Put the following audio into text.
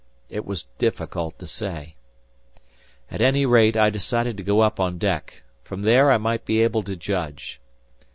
It was difficult to say. At any rate I decided to go up on deck. From there I might be able to judge.